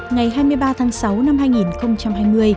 ngày hai mươi ba tháng sáu năm hai nghìn hai mươi